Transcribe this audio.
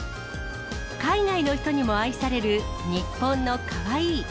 海外の人にも愛される、日本のカワイイ。